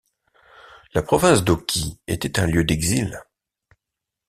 La province d'Oki était un lieu d'exil.